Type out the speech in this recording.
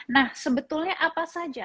nah sebetulnya apa saja